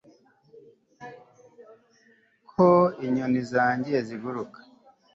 Ko inyoni zanjye ziguruka